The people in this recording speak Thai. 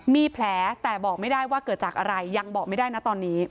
มีแผลแต่บอกไม่ได้ว่าเกิดจากอะไรยังบอกไม่ได้นะตอนนี้